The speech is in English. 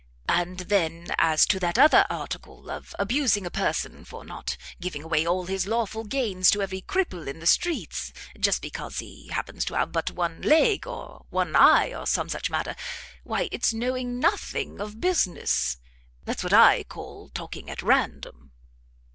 And then as to that other article, of abusing a person for not giving away all his lawful gains to every cripple in the streets, just because he happens to have but one leg, or one eye, or some such matter, why it's knowing nothing of business! it's what I call talking at random."